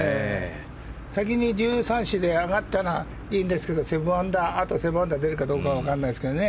先に１３、１４で上がったのはいいんですけど７アンダー出るかどうかがわからないですけどね。